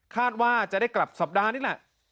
คาดว่าจะได้กลับสัปดาห์นี่แหละ